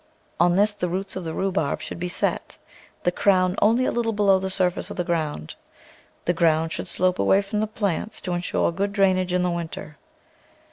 On this the roots of the rhubarb should be set, the cro^\Ti only a little below the surface of the ground. The ground should slope away from the plants to insure good drainage in the winter.